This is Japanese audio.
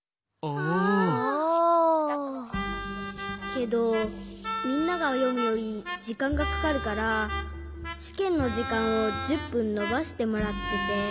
けどみんながよむよりじかんがかかるからしけんのじかんを１０ぷんのばしてもらってて。